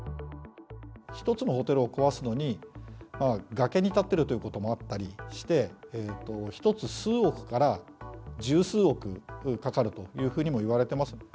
１つのホテルを壊すのに、崖に建ってるということもあったりして、１つ数億から十数億かかるというふうにもいわれてます。